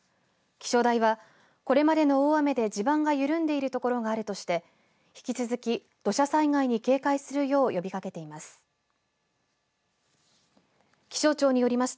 気象台はこれまでの大雨で地盤が緩んでいる所があるとして引き続き土砂災害に警戒するよう呼びかけています。